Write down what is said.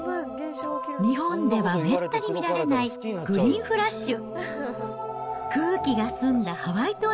日本ではめったに見られないグリーンフラッシュ。